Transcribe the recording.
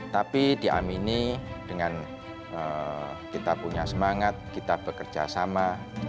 tapi diamini dengan kita punya semangat kita bekerja sama